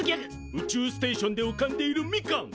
宇宙ステーションでうかんでいるみかん。